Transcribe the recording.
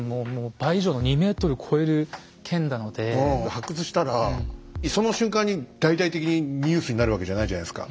発掘したらその瞬間に大々的にニュースになるわけじゃないじゃないですか。